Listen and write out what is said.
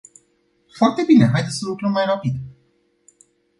Foarte bine, haideți să lucrăm mai rapid!